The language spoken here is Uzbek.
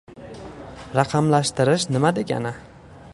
Raqamlashtirish nima degani?